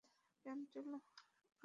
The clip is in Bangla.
ক্যান্টিনে আছে হয়ত।